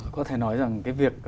có thể nói rằng cái việc